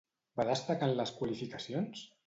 Va destacar en les qualificacions?